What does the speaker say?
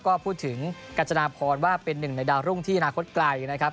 ก็พูดถึงกัญจนาพรว่าเป็นหนึ่งในดาวรุ่งที่อนาคตไกลนะครับ